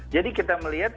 jadi kita melihat